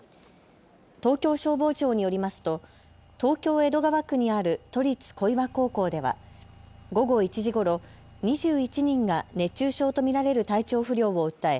東京消防庁によりますと東京江戸川区にある都立小岩高校では午後１時ごろ、２１人が熱中症と見られる体調不良を訴え